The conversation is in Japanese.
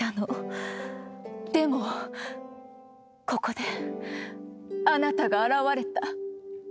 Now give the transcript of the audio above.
でもここであなたが現れた。